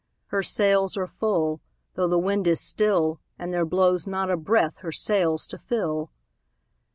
Her sails are full, though the wind is still, And there blows not a breath her sails to fill!